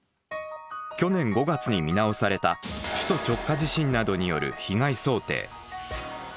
去年５月に見直された首都直下地震などによる被害想定。